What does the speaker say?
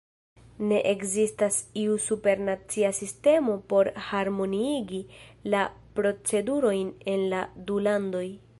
Ne ekzistas iu supernacia sistemo por harmoniigi la procedurojn en la du landoj.